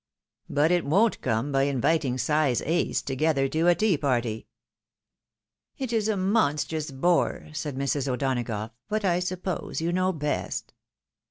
But it won't come by inviting size ace to gether to a tea party." " It is a monstrous bore," said Mrs. O'Donagough, "but I suppose you know best."